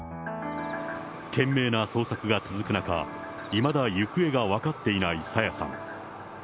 懸命な捜索が続く中、いまだ行方が分かっていない朝芽さん。